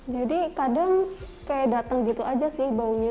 jadi kadang kayak datang gitu aja sih baunya